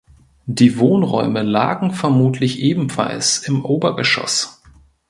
Die Wohnräume lagen vermutlich ebenfalls im Obergeschoss.